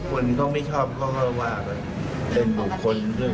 คนเขาไม่ชอบก็มีข้อถึงบุคคล